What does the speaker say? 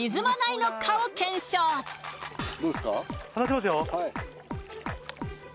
離しますよ